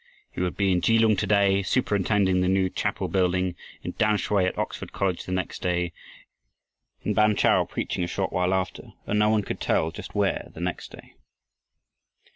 He would be in Kelung to day superintending the new chapel building, in Tamsui at Oxford College the next day, in Bangkah preaching a short while after, and no one could tell just where the next day.